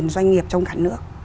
doanh nghiệp trong cả nước